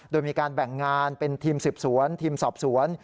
โดยมีการแบ่งงานเป็นทีมสืบสวนทีมสอบสวน